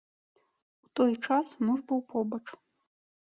У той час муж быў побач.